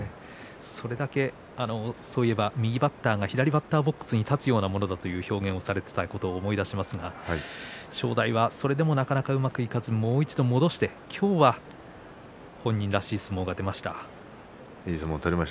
それだけ右バッターが左バッターに立つようなものだという表現をされていたのを思い出しますが正代がそれでもなかなかうまくいかず戻して今日は本人らしい相撲が出ました。